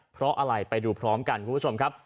เพราะอะไรไปดูพร้อมกันคุณผู้ชมครับ